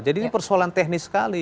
jadi ini persoalan teknis sekali